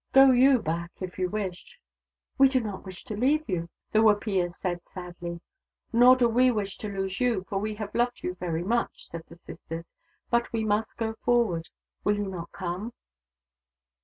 " Go you back, if you wish." " We do not wish to leave you," the Wapiya said sadly. " Nor do we wish to lose you, for we have loved you very much," said the sisters. " But we must go forward. Will you not come